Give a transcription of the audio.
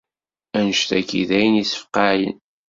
Annect-agi d ayen issefqayen.